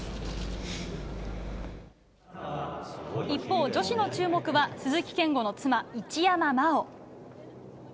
一方、女子の注目は鈴木健吾の妻・一山麻緒。